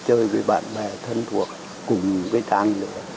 chơi với bạn bè thân thuộc cùng với trang lửa